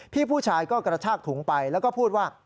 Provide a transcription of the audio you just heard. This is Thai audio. พี่ผู้ชายก็กระชากถุงไปแล้วก็พูดว่า